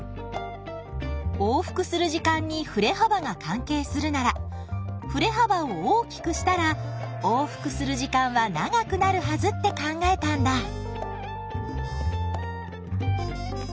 往復する時間にふれ幅が関係するならふれ幅を大きくしたら往復する時間は長くなるはずって考えたんだ。